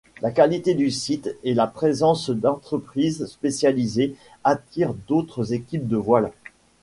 La qualité du site, et la présence d'entreprises spécialisées, attire d'autres équipes de voiles.